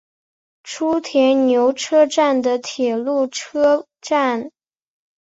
初田牛车站的铁路车站。